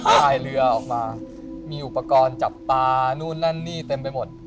พายเรือออกมามีอุปกรณ์จับปลานู่นนั่นนี่เต็มไปหมด